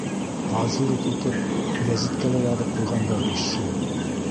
Пазурить итеп, гәзиткә лә яҙып ҡуйғандар ишшеү.